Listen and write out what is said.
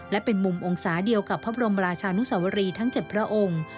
และเป็นมุมมองศาเดียวกับพระบรมราชานุสวรีทั้ง๗พระองค์